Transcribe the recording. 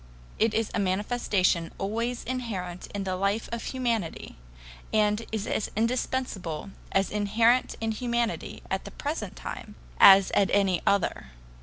It is a manifestation always inherent in the life of humanity, and is as indispensable, as inherent in humanity at the present time as at any other.